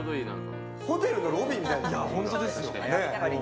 ホテルのロビーみたい。